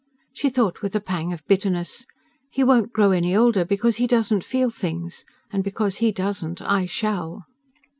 She thought with a pang of bitterness: "He won't grow any older because he doesn't feel things; and because he doesn't, I SHALL..."